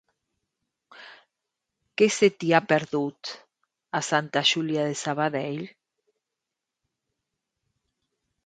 Què se t'hi ha perdut, a Sant Julià de Sabadell?